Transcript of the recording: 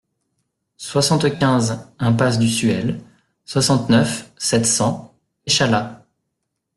soixante-quinze impasse du Suel, soixante-neuf, sept cents, Échalas